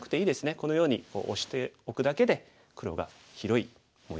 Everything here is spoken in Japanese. このようにオシておくだけで黒が広い模様完成します。